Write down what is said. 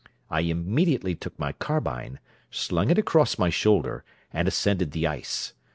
I immediately took my carbine, slung it across my shoulder, and ascended the ice.